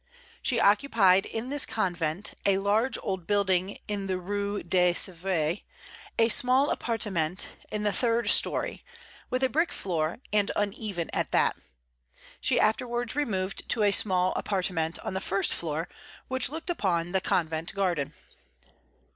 She occupied in this convent a large old building in the Rue de Sèvres a small appartement in the third story, with a brick floor, and uneven at that. She afterwards removed to a small appartement on the first floor, which looked upon the convent garden.